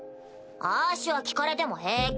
あしは聞かれても平気。